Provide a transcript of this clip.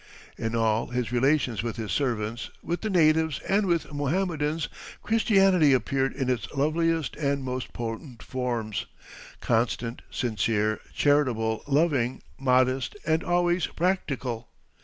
In all his relations with his servants, with the natives, and with Mohammedans, Christianity appeared in its loveliest and most potent forms, constant, sincere, charitable, loving, modest, and always practical.